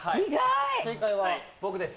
正解は・意外僕です